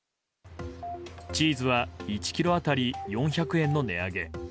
チーズは１ｋｇ当たり４００円の値上げ。